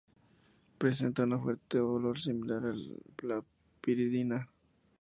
Presenta un fuerte olor similar al de la piridina.